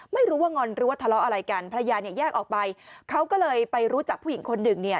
ไม่รู้ว่างอนหรือว่าทะเลาะอะไรกันภรรยาเนี่ยแยกออกไปเขาก็เลยไปรู้จักผู้หญิงคนหนึ่งเนี่ย